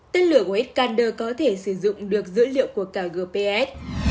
tên lửa của ecunder có thể sử dụng được dữ liệu của cả gps